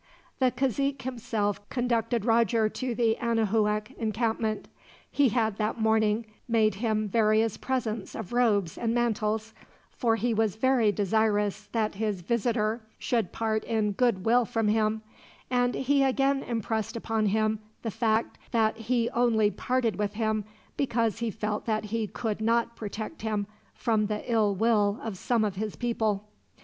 The cazique himself conducted Roger to the Anahuac encampment. He had, that morning, made him various presents of robes and mantles, for he was very desirous that his visitor should part in goodwill from him; and he again impressed upon him the fact that he only parted with him because he felt that he could not protect him from the ill will of some of his people.